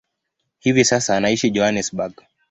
Hivi sasa anaishi Johannesburg.